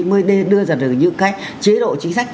mới đây đưa ra được những cái chế độ chính sách